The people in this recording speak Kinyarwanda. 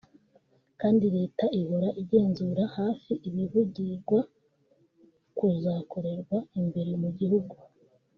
kandi Leta ihora igenzurira hafi ibivugirwa ku zakorewe imbere mu gihugu